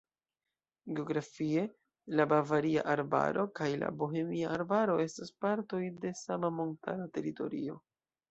Geografie la Bavaria Arbaro kaj la Bohemia Arbaro estas partoj de sama montara teritorio.